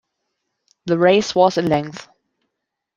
The race was in length.